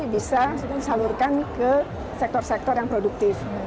bisa disalurkan ke sektor sektor yang produktif